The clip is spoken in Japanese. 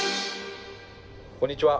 こんにちは。